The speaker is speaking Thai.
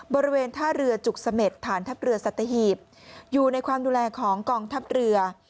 บริเวณท่าเรือจุกเสม็ดฐานทัพเรือสัตหีบอยู่ในความดูแลของกองทัพเรือ